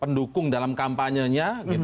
pendukung dalam kampanyenya